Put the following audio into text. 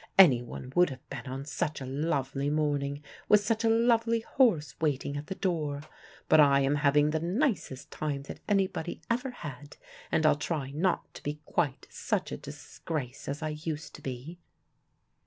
Any one would have been on such a lovely morning, with such a lovely horse waiting at the door. But I am having the nicest time that anybody ever had, and I'll try not to be quite such a disgrace as I used to be."